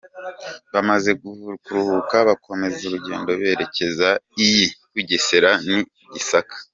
Bamaze kuruhuka bakomeza urugendo berekeza iy’i Bugesera n’i Gisaka.